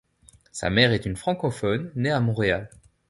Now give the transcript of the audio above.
Sa mère est une francophone née à Montréal.